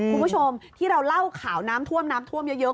คุณผู้ชมที่เราเล่าข่าวน้ำท่วมน้ำท่วมเยอะ